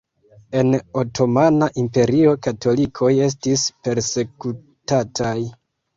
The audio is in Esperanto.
En Otomana Imperio katolikoj estis persekutataj.